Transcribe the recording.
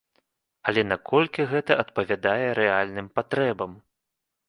Але наколькі гэта адпавядае рэальным патрэбам?